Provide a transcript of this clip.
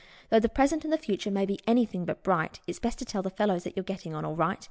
Though the present and the future may be anything but bright. It is best to tell the fellows that you're getting on all right.